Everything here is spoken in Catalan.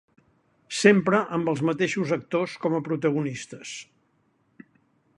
Sempre amb els mateixos actors com a protagonistes.